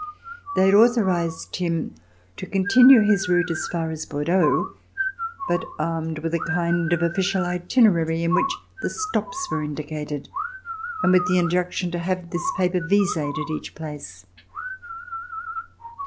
They had authorized him to continue his route as far as Bordeaux, but armed with a kind of official itinerary in which the stops were indicated and with the injunction to have this paper vised at each place.